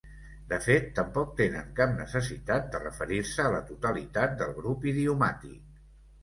De fet, tampoc tenen cap necessitat de referir-se a la totalitat del grup idiomàtic.